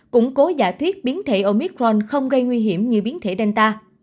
cũng cố giả thuyết biến thể omicron không gây nguy hiểm như biến thể delta